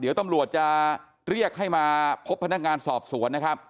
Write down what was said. เดี๋ยวตำรวจจะเรียกให้มาพบพนักงานสอบสวนนะครับ